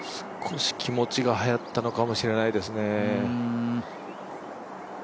少し気持ちがはやったのかもしれないですね。